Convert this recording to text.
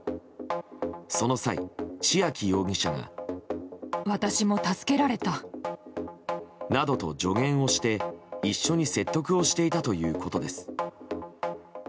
その際、千秋容疑者が。などと助言をして一緒に説得をしていたということです。